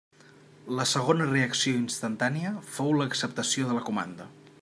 La segona reacció instantània fou l'acceptació de la comanda.